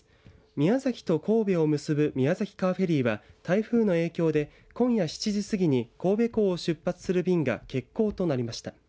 宮崎と神戸を結ぶ宮崎カーフェリーは台風の影響で今夜７時過ぎに神戸港を出発する便が欠航となりました。